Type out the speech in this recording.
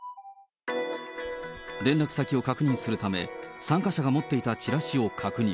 連絡先を確認するため、参加者が持っていたチラシを確認。